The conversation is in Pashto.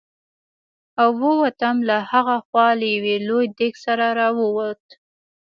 او ووتم، له ها خوا له یو لوی دېګ سره را ووت.